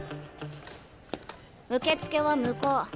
受付は向こう。